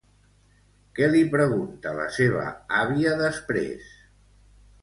Què li pregunta la seva àvia després?